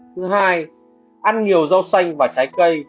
thứ hai ăn nhiều rau xanh và trái cây